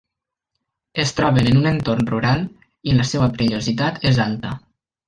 Es troben en un entorn rural i la seua perillositat és alta.